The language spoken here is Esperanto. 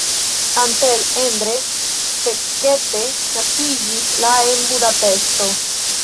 Antal Endre Fekete naskiĝis la en Budapeŝto.